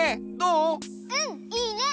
うんいいね！